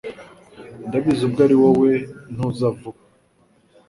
ndabizi ubwo ari wowe ntuza vuba